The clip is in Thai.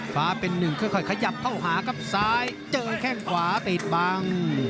ฟ้าเป็นหนึ่งค่อยขยับเข้าหาครับซ้ายเจอแข้งขวาติดบัง